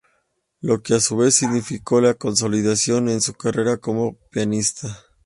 Lo que a su vez significó la consolidación en su carrera como pianista.